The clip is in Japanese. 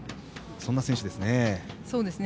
そんな選手ですね。